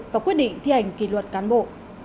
và quyết định thi hành kỳ luật cán bộ